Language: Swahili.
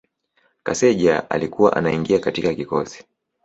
Kaseja alikuwa anaingia katika kikosi